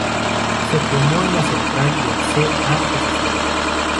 Se formó en la cantera del C. A. Osasuna.